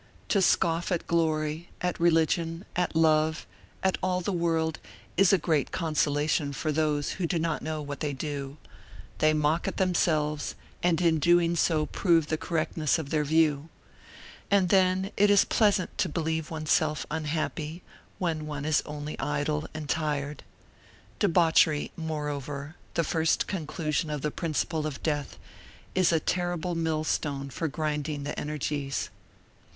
To scoff at glory, at religion, at love, at all the world, is a great consolation for those who do not know what to do; they mock at themselves and in doing so prove the correctness of their view. And then it is pleasant to believe oneself unhappy when one is only idle and tired. Debauchery, moreover, the first conclusion of the principle of death, is a terrible millstone for grinding the energies.